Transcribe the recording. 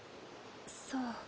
そう。